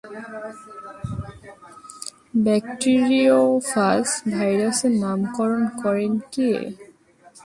Bacteriophage ভাইরাসের নামকরণ করেন কে?